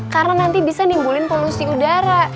karena nanti bisa nimbulin polusi udara